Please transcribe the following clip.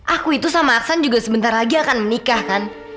aku itu sama aksan juga sebentar lagi akan menikah kan